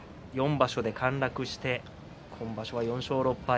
４場所で陥落して今場所は４勝６敗。